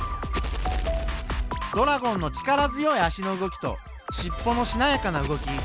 ドラゴンの力強い足の動きとしっぽのしなやかな動き。